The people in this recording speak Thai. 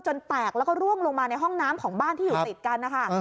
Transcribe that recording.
แตกแล้วก็ร่วงลงมาในห้องน้ำของบ้านที่อยู่ติดกันนะคะ